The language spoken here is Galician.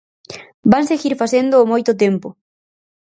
Van seguir facéndoo moito tempo.